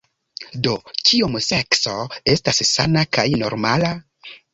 "Do, Kiom sekso estas sana kaj normala?"